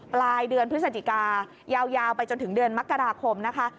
ปลายเดือนพฤศจิกายาวไปจนถึงเดือนมกราคมนะคะ